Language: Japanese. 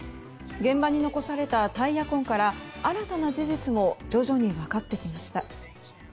現場に残されたタイヤ痕から新たな事実も徐々に分かってきました。